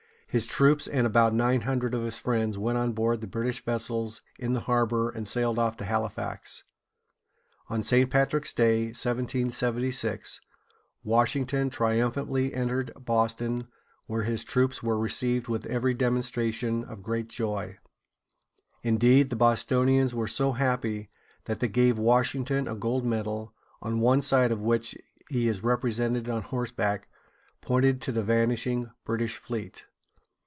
His troops, and about nine hundred of his friends, went on board the British vessels in the harbor, and sailed off to Hal´i fax. On St. Patrick's day, 1776, Washington triumphantly entered Boston, where his troops were received with every demonstration of great joy. Indeed, the Bostonians were so happy that they gave Washington a gold medal, on one side of which he is represented on horseback, pointing to the vanishing British fleet.